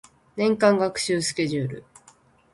年間学習スケジュール